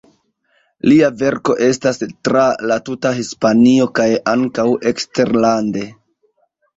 Lia verko estas tra la tuta Hispanio kaj ankaŭ eksterlande.